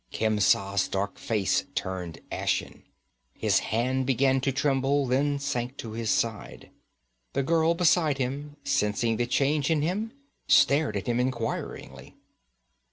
Khemsa's dark face turned ashen; his hand began to tremble, then sank to his side. The girl beside him, sensing the change in him, stared at him inquiringly.